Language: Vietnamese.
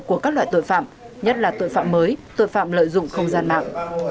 của các loại tội phạm nhất là tội phạm mới tội phạm lợi dụng không gian mạng